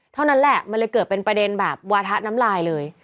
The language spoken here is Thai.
เท่านั้นแหละมันเลยเกิดเป็นประเด็นแบบวาทะน้ำลายเลย